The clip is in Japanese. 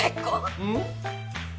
うん？